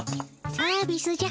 サービスじゃ。